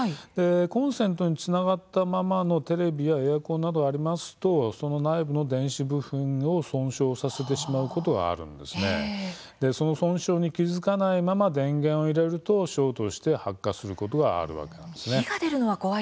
コンセントにつながったままのテレビやエアコンなどがありますとその内部の電子部品の損傷が起こりその損傷に気付かないまま電源を入れるとショートして発火火が出るのが怖いですね。